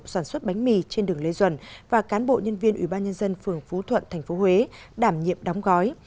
sản xuất bánh mì trên đường lê duẩn và cán bộ nhân viên ubnd phường phú thuận tp huế đảm nhiệm đóng gói